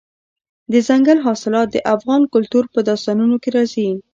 دځنګل حاصلات د افغان کلتور په داستانونو کې راځي.